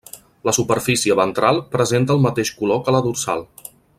La superfície ventral presenta el mateix color que la dorsal.